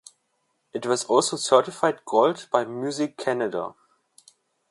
It was also certified Gold by Music Canada.